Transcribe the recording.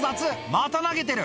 また投げてる。